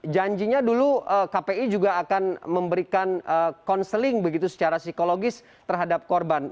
janjinya dulu eh kpi juga akan memberikan eh konseling begitu secara psikologis terhadap korban